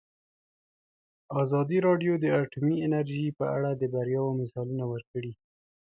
ازادي راډیو د اټومي انرژي په اړه د بریاوو مثالونه ورکړي.